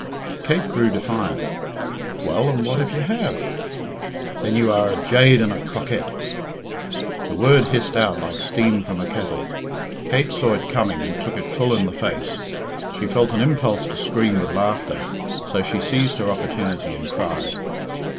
Kate grew defiant. "Well, and what if you have?" "Then you are a jade and a coquette." The word hissed out like steam from a kettle. Kate saw it coming and took it full in the face. She felt an impulse to scream with laughter, so she seized her opportunity and cried.